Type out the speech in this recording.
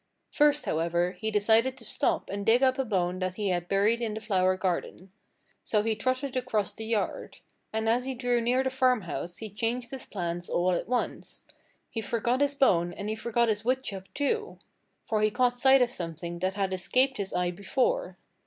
First, however, he decided to stop and dig up a bone that he had buried in the flower garden. So he trotted across the yard. And as he drew near the farmhouse he changed his plans all at once. He forgot his bone and he forgot his woodchuck, too. For he caught sight of something that had escaped his eye before.